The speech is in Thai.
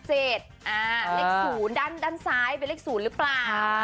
เลข๐ด้านซ้ายเป็นเลข๐หรือเปล่า